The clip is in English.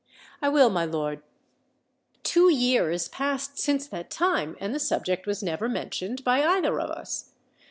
"I will, my lord. Two years passed since that time, and the subject was never mentioned by either of us.